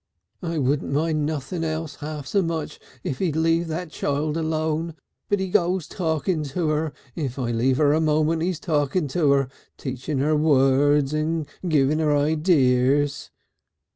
"I wouldn't mind nothing else half so much if he'd leave that child alone. But he goes talking to her if I leave her a moment he's talking to her, teaching her words and giving her ideas!"